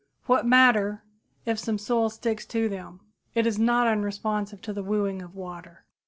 What matter if some soil sticks to them; it is not unresponsive to the wooing of water!